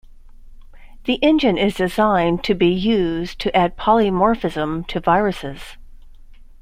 The engine is designed to be used to add polymorphism to viruses.